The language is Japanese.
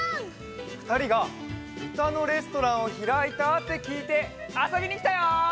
ふたりがうたのレストランをひらいたってきいてあそびにきたよ！